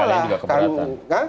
kalian juga keberatan